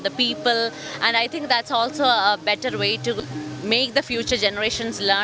dan saya pikir itu juga cara yang lebih baik untuk membuat generasi depan